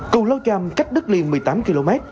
cù lâu chàm cách đất liền một mươi tám km